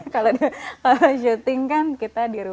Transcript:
kalau syuting kan kita di rumah